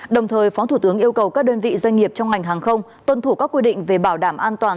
đồng thời phó thủ tướng yêu cầu các đơn vị doanh nghiệp trong ngành hàng không tuân thủ các quy định về bảo đảm an toàn